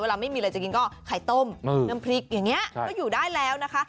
เวลาไม่มีอะไรจะกินก็ไข่ต้มน้ำพริกอย่างนี้ก็อยู่ได้แล้วนะคะ